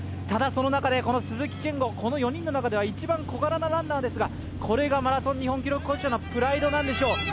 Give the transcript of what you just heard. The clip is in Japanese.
ただ、その中で鈴木健吾、この４人の中では一番小柄なランナーですが、これがマラソン日本記録保持者のプライドなんでしょう。